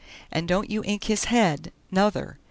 And don't you ink his head nother!